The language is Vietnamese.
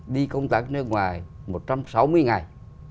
đi công tác nước ngoài một trăm sáu mươi ngày